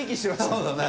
そうだね。